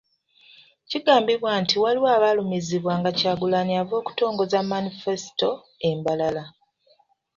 Kigambibwa nti waliwo abaalumizibwa nga Kyagulanyi ava okutongoza Manifesito e Mbarara.